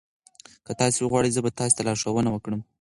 که تاسي وغواړئ زه به تاسي ته لارښوونه وکړم.